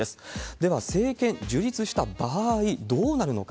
では政権樹立した場合、どうなるのか。